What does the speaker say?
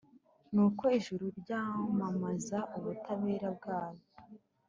nuko ijuru ryamamaza ubutabera bwayo